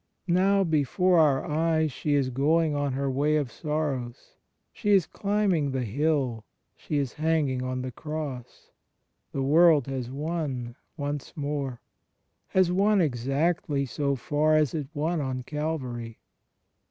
Now before our eyes she is going on her Way of Sorrows; she is climbing the Hill; she is hanging on the Cross. ... The world has won, once more; — has won exactly so far as it won on Calvary.